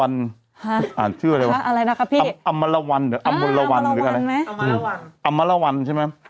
อันที่อะไรนะครับพี่อัมลวรรณอัมลวรรณใช่ไหมอัมลวรรณใช่ไหม